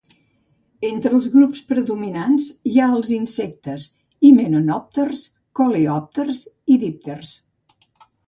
Entre els grups predominants hi ha els insectes himenòpters, coleòpters i dípters.